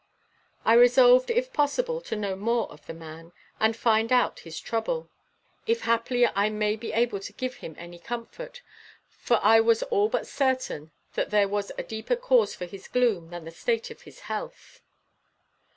I resolved, if possible, to know more of the man, and find out his trouble, if haply I might be able to give him any comfort, for I was all but certain that there was a deeper cause for his gloom than the state of his health.